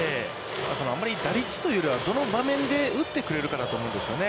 あんまり、打率というよりはどの場面で打ってくれるかだと思うんですよね。